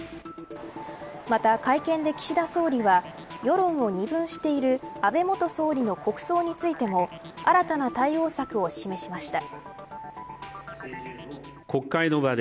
また、会見で岸田総理は世論を二分している安倍総理の国葬についても新たな対応策を示しました。